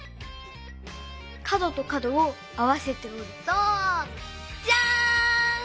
かどとかどをあわせておるとジャーン！